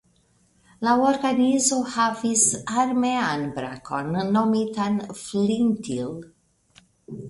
La organizo havis armean brakon nomitan Flintil.